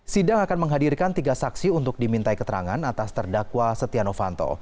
sidang akan menghadirkan tiga saksi untuk dimintai keterangan atas terdakwa setia novanto